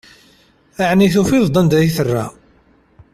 Ɛni tufiḍ-d anda i terra?